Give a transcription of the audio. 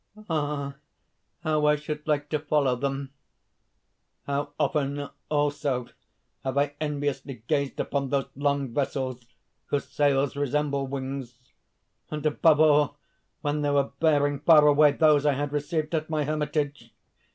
_) "Ah, how I should like to follow them. "How often also have I enviously gazed upon those long vessels, whose sails resemble wings and above all when they were bearing far away those I had received at my hermitage!